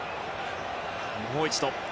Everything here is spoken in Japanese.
もう一度。